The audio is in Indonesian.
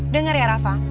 dengar ya rafa